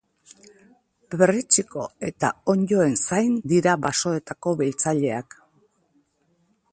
Perritxiko eta onddoen zain dira basoetako biltzaileak.